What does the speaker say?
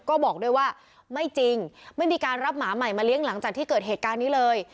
ก็บอกด้วยว่าไม่จริงไม่มีการรับหมาใหม่มาเลี้ยงหลังจากที่เกิดเหตุการณ์นี้เลย